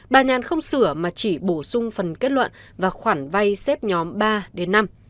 bà nhàn không sửa mà chỉ bổ sung phần kết luận và khoản vay xếp nhóm ba đến năm